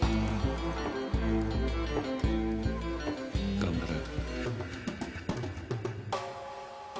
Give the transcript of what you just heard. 頑張れよ。